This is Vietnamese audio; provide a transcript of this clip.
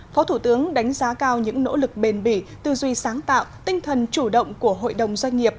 phó thủ tướng đánh giá cao những nỗ lực bền bỉ tư duy sáng tạo tinh thần chủ động của hội đồng doanh nghiệp